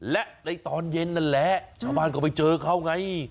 และในตอนเย็นนั่นแหละชาวบ้านก็ไปเจอเขาไง